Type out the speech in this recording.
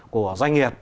của doanh nghiệp